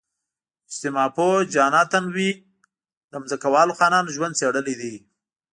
اجتماع پوه جاناتان وی د ځمکوالو خانانو ژوند څېړلی دی.